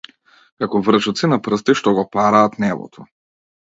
Како вршоци на прсти што го параат небото.